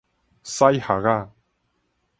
屎礐仔